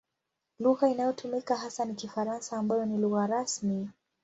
Lugha inayotumika hasa ni Kifaransa ambayo ni lugha rasmi.